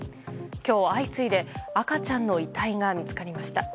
今日相次いで赤ちゃんの遺体が見つかりました。